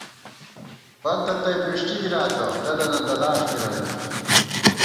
فنتہ تئ پِݭٹی گِراتہ ، دلَنہ دلاݭ گِرَمېت